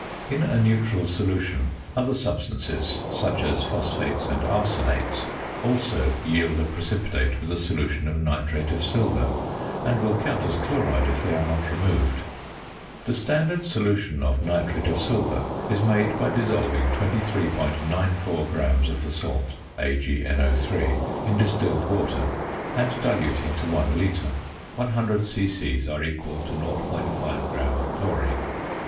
In a neutral solution, other substances (such as phosphates and arsenates) also yield a precipitate with a solution of nitrate of silver; and will count as chloride if they are not removed. The Standard Solution of Nitrate of Silver is made by dissolving 23.94 grams of the salt (AgNO_) in distilled water, and diluting to 1 litre; 100 c.c. are equal to 0.5 gram of chlorine.